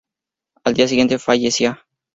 Al día siguiente fallecía.